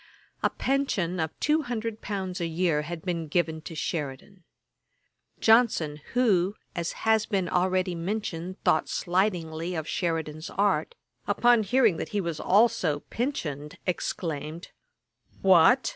A pension of two hundred pounds a year had been given to Sheridan. Johnson, who, as has been already mentioned, thought slightingly of Sheridan's art, upon hearing that he was also pensioned, exclaimed, 'What!